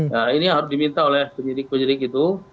nah ini harus diminta oleh penyidik penyidik itu